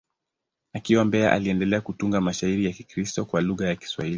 Akiwa Mbeya, aliendelea kutunga mashairi ya Kikristo kwa lugha ya Kiswahili.